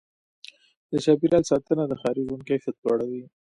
د چاپېریال ساتنه د ښاري ژوند کیفیت لوړوي.